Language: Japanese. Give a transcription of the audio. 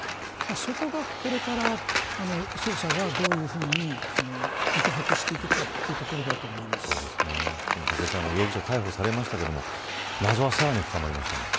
そこがこれから捜査がどういうふうに肉薄していくかでも武井さん容疑者逮捕されましたが謎はさらに深まりましたね。